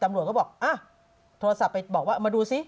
ตำรวจก็บอกโทรศัพท์ไปบอกว่ามาดูซิ